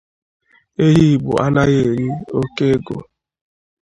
Ehi Igbo anaghị eri óké egō